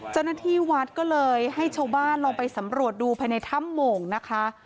เจ้าหน้าที่วัดก็เลยให้ชาวบ้านลองไปสำรวจดูภายในถ้ำโมงนะคะ